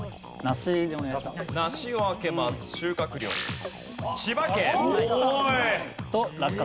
ナシを開けます。